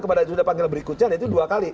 kepada judulnya panggilan berikutnya itu dua kali